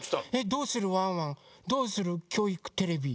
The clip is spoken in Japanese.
「どうするワンワンどうするきょういくテレビ」。